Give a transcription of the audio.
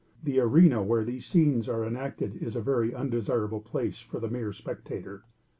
The arena where these scenes are enacted is a very undesirable place for a mere spectator.